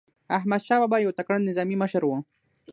احمدشاه بابا یو تکړه نظامي مشر و.